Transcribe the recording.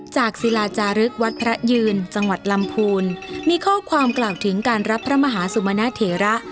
ศิลาจารึกวัดพระยืนจังหวัดลำพูนมีข้อความกล่าวถึงการรับพระมหาสุมณเถระ